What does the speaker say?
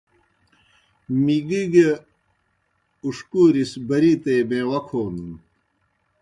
مِگی گہ اُݜکُورِس بَرِیتے میواہ کھونَن۔